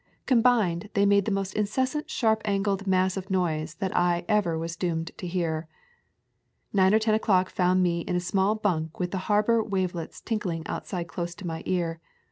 Com bined they made the most incessant sharp angled mass of noise that I ever was doomed to hear. Nine or ten o'clock found me in a small bunk with the harbor wavelets tinkling outside close to my ear.